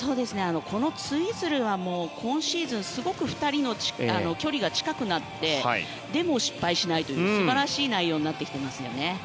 このツイズルは今シーズンすごく２人の距離が近くなってでも失敗しないという素晴らしい内容になってきていますね。